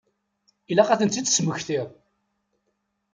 Ilaq ad ten-id-tesmekti.